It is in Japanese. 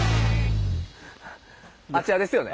あちらですよね。